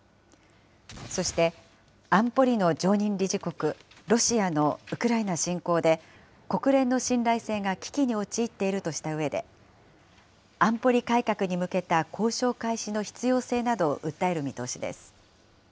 そして、安保理の常任理事国、ロシアのウクライナ侵攻で、国連の信頼性が危機に陥っているとしたうえで、安保理改革に向けた交渉開始の必要性などを訴える見通しです。